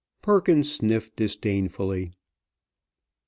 Perkins sniffed disdainfully.